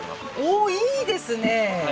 おういいですね。